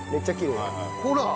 ほら！